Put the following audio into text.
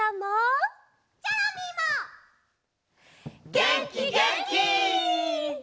げんきげんき！